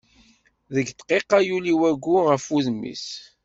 Deg dqiqa yuli wagu ɣef wudem-is.